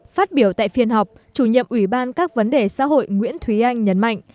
phát biểu tại phiên họp chủ nhiệm ủy ban các vấn đề xã hội nguyễn thúy anh nhấn mạnh